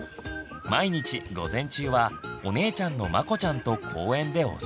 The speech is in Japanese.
毎日午前中はお姉ちゃんのまこちゃんと公園でお散歩。